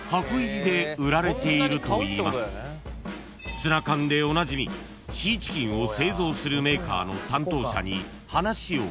［ツナ缶でおなじみシーチキンを製造するメーカーの担当者に話を伺うと］